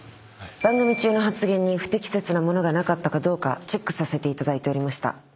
番組中の発言に不適切なものがなかったかどうかチェックさせていただいておりました。